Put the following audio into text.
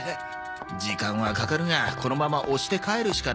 時間はかかるがこのまま押して帰るしかないか。